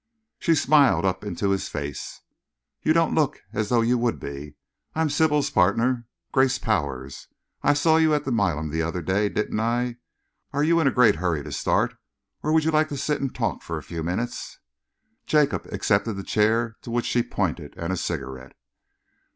She smiled up into his face. "You don't look as though you would be. I am Sybil's partner, Grace Powers. I saw you at the Milan the other day, didn't I? Are you in a great hurry to start, or would you like to sit and talk for a few minutes?" Jacob accepted the chair to which she pointed, and a cigarette.